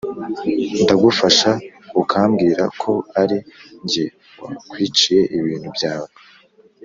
Ndagufasha ukambwira ko ari njye wakwiciye ibintu byawe